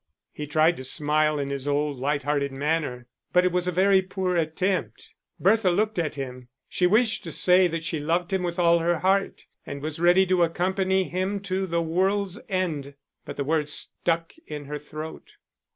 He tried to smile in his old, light hearted manner; but it was a very poor attempt. Bertha looked at him. She wished to say that she loved him with all her heart, and was ready to accompany him to the world's end; but the words stuck in her throat.